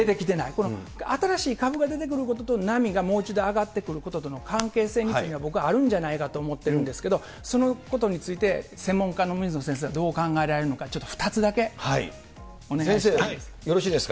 この新しい株が出てくることと、波がもう一度上がってくることとの関係性については、僕はあるんじゃないかと思ってるんですけど、そのことについて、専門家の水野先生はどう考えられるのか、ちょっと２つだけお願い先生、よろしいですか。